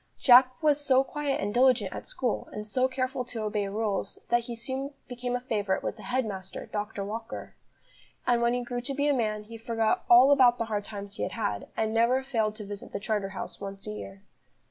Jack was so quiet and diligent at school, and so careful to obey rules, that he soon became a favourite with the head master, Dr. Walker; and when he grew to be a man, he forgot all about the hard times he had had, and never failed to visit the Charterhouse once a year.